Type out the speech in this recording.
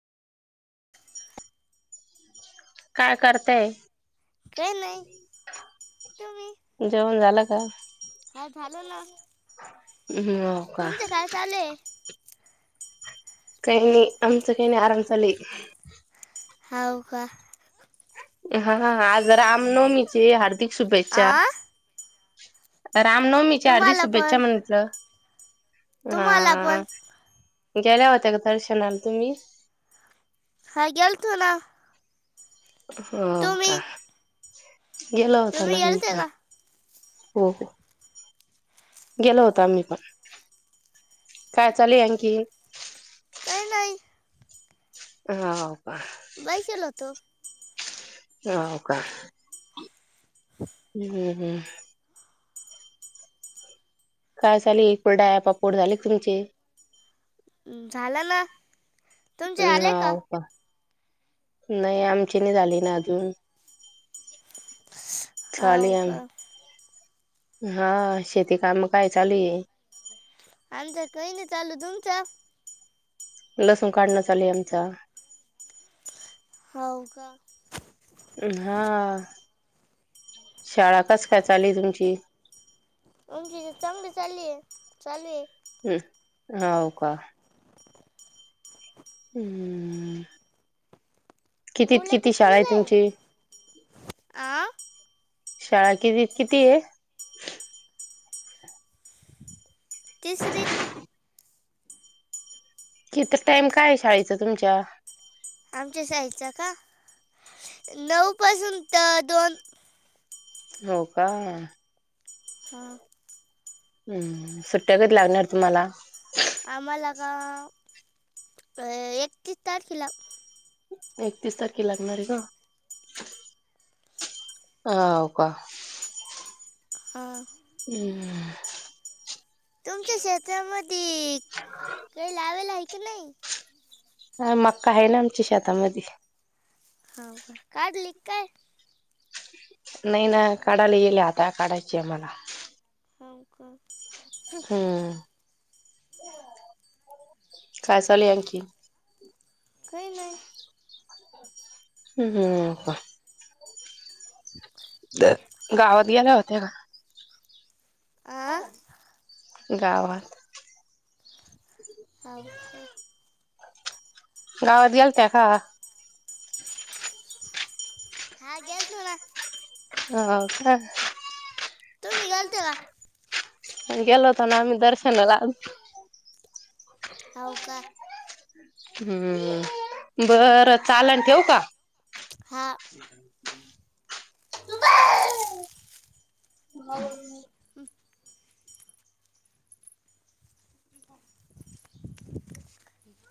काय करतेय? काय नाही तुम्ही जेवण झालं का? हा, झालं ना. अहम्. तुमचं काय चालुय? काही नी, आमचं काही नाही. आराम चालूय. हाव का? ह, हा. आज रामनवमीचे, हार्दिक शुभेच्छा. आ रामनवमीच्या, हार्दिक तुम्हाला शुभेच्छा पण म्हंटलं. तुम्हाला पण हा. गेल्या होत्या का? तुम्ही दर्शनाला तुम्ही. हा, गेलतो ना. हो, का? तुम्ही गेलो होता तुम्ही ना, मी गेलते पण. का हो, हो. गेलो होतो आम्ही पण. काय चाली, आणखी? काय नाही. [inaudible] बैसलों तो. होय का. हम्म हम्म काय चालूये, कुलडाया पापुड झाले का तुमचे? उम झाल ना तुमचे उम, आले हाव का नायी आमची नायी झाली ना अजून हाव चालूया, का आ हा शेती काम काय चालू ये आता कायी नायी चालू, तुमच? लसूण काढण चालुय आमचा होव का. हा, शाळा कस काय चालु तुमची? आमची तर चांगली चालिये चालूये हम्, होव का. हम्म कितीत मुलं किती शाळा आहे कितीवीला ये, तुमची आ? शाळा किती त किती ये? तिसरीत कित टाइम काय शाळेच तुमच्या? आमच्या शाळ च का? नऊ पासून त दोन. होव का. हा हम्म, सुट्ट्या कधी लागणार तुम्हाला? आम्हाला का? अ एकतीस तारखेला. एकतीस तारखे लागणार ये का? ह हव का? हा. हम् तुमच्या शेतामधी कायी लावेल आहे का नयी? ह, मका आहे ना आमच्या शेतामधी. ह का? काढली क काय? नाही ना काढायला येईल आता काढायची ये आम्हाला हावुका? हं, काय चालुय आणखी? खयी नय [inaudible] [inaudible] गा आवाज गेला होथा हां गावात हाव का गावात गेलत्या का? हा गेल तो ना. हाव का? तूमी गेलत्या का? गेलो होतो नां आम्हीं दर्शनांला. हांव कां? हम्मं बरं चाललं, ठेवूं कां? हां [inaudible] [unintelligible] कांऊण